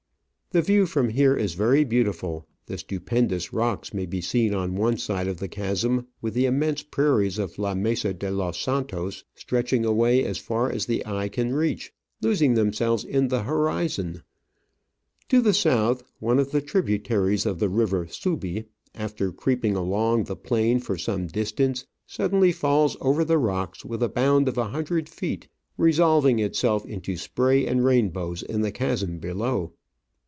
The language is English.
The view from here is very beautiful ; the stupendous rocks may be seen on one side of the chasm, with the immense prairies of La Mesa de Los Santos stretching away as far as the eye can reach, losing themselves in the horizon. To the south,, one of the tributaries of Digitized by VjOOQ IC OF AN Orchid Hunter, i i 7 the river Subi, after creeping along the plain for some distance, suddenly falls over the rocks with a bound of a hundred feet, resolving itself into spray and rain bows in the chasm below.